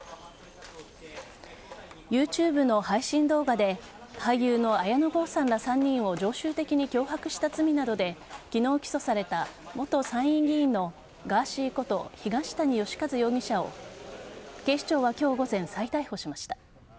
ＹｏｕＴｕｂｅの配信動画で俳優の綾野剛さんら３人を常習的に脅迫した罪などで昨日、起訴された元参院議員のガーシーこと東谷義和容疑者を警視庁は今日午前再逮捕しました。